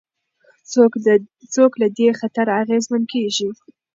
څوک له دې خطره اغېزمن کېږي؟